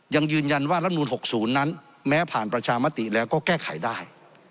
ยังยืนยันว่ารัฐมนูล๖๐นั้นแม้ผ่านประชามติแล้วก็แก้ไขได้